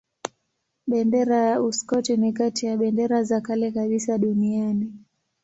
Bendera ya Uskoti ni kati ya bendera za kale kabisa duniani.